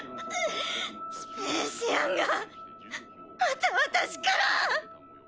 スペーシアンがまた私から。